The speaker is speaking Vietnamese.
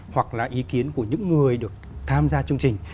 hoặc là ý kiến của những người được tham gia chương trình